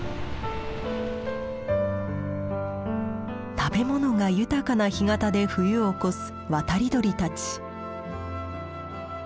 食べ物が豊かな干潟で冬を越す渡り鳥たち。